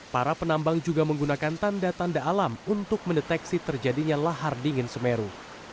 para penambang juga menggunakan tanda tanda alam untuk mendeteksi terjadinya lahar dingin semeru